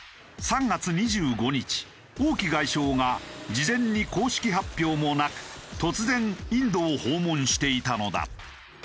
３月２５日王毅外相が事前に公式発表もなく突然インドを訪問していたのだ。